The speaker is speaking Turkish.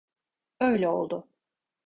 Öyle oldu.